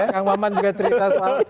kang maman juga cerita soal